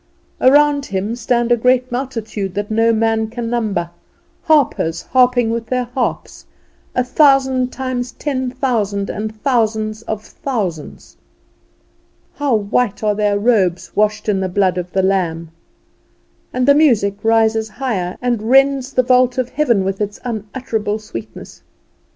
Around Him stand a great multitude that no man can number, harpers harping with their harps, a thousand times ten thousand, and thousands of thousands. How white are their robes, washed in the blood of the Lamb! And the music rises higher, and rends the vault of heaven with its unutterable sweetness.